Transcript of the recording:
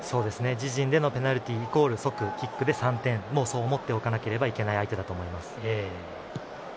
自陣でのペナルティーイコール、即キックで３点、そう思っておかなければいけない相手だと思います。